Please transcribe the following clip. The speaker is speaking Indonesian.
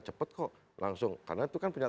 cepat kok langsung karena itu kan punya